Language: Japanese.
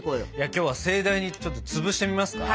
今日は盛大にちょっとつぶしてみますか。